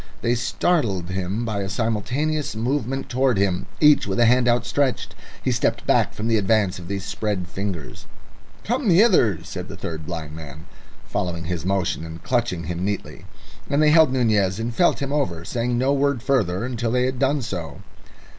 They startled him by a simultaneous movement towards him, each with a hand outstretched. He stepped back from the advance of these spread fingers. "Come hither," said the third blind man, following his motion and clutching him neatly. And they held Nunez and felt him over, saying no word further until they had done so.